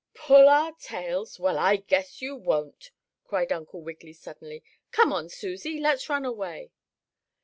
"Pull our tails! Well, I guess you won't!" cried Uncle Wiggily suddenly. "Come on, Susie! Let's run away!"